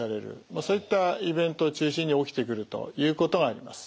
そういったイベントを中心に起きてくるということがあります。